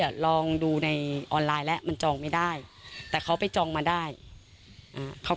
ลองดูในออนไลน์แล้วมันจองไม่ได้แต่เขาไปจองมาได้อ่าเขา